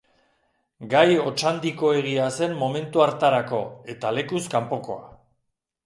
Gai hotsandikoegia zen momentu hartarako, eta lekuz kanpokoa.